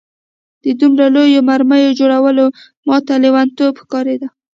د دومره لویو مرمیو جوړول ماته لېونتوب ښکارېده